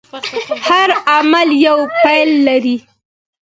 هر عمل یوه پایله لري.